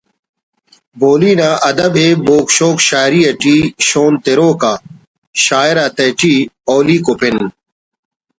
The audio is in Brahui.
بولی نا ادب ءِ بوگ شوگ شاعری ٹی شون تروک آ شاعر آتیٹی اولیکو پن